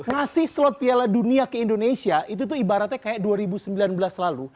ngasih slot piala dunia ke indonesia itu tuh ibaratnya kayak dua ribu sembilan belas lalu